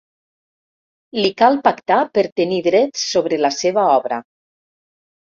Li cal pactar per tenir drets sobre la seva obra.